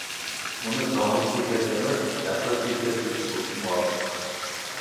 ئۇنى داڭلىق بېكەت ئەمەس، ئەخلەت بېكەت دېسە مۇۋاپىق.